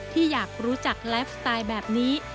ที่อยากรู้จักไลฟ์สไตล์แบบนี้